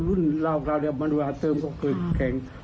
รุ่นราวคราวเดียวมโนราเติมก็คือแข็ง